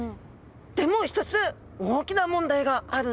でも一つ大きな問題があるんです！